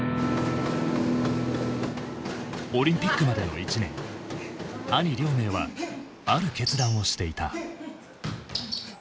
オリンピックまでの１年兄亮明はある決断をしていた。